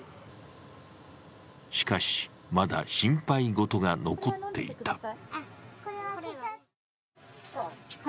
しかし、まだ心配事が残っていた。